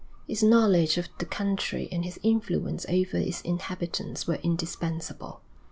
His knowledge of the country and his influence over its inhabitants were indispensable.